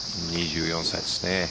２４歳ですね。